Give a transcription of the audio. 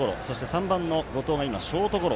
３番の後藤がショートゴロ。